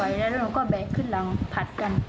ไม่ไหวแล้วหนูก็แบกขึ้นหลังผัดกัน